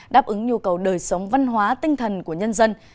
đáp ứng nhu cầu đời sống văn hóa tinh thần của nhân dân